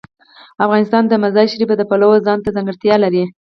افغانستان د مزارشریف د پلوه ځانته ځانګړتیا لري.